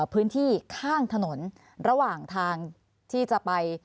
พื้นที่ข้างถนนระหว่างทางที่จะไป